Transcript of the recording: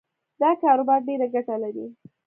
دا کاروبار ډېره ګټه لري